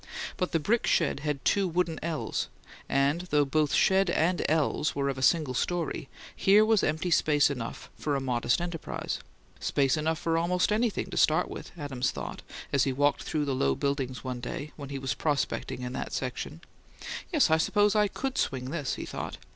But the brick shed had two wooden ells, and, though both shed and ells were of a single story, here was empty space enough for a modest enterprise "space enough for almost anything, to start with," Adams thought, as he walked through the low buildings, one day, when he was prospecting in that section. "Yes, I suppose I COULD swing this," he thought.